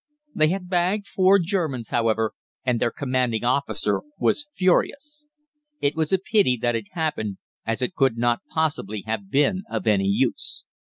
They had bagged four Germans, however, and their commanding officer was furious. It was a pity that it happened, as it could not possibly have been of any use.